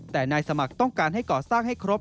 แต่นายสมัครต้องการให้ก่อสร้างให้ครบ